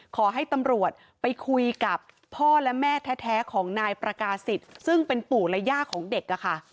ขอให้ตำรวจไปคุยกับพ่อและแม่แท้ของนายประกาศิษย์ซึ่งเป็นปู่และย่าของเด็กค่ะ